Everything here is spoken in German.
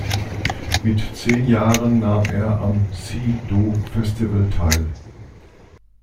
Mit zehn Jahren nahm er am Si-Do-Festival teil.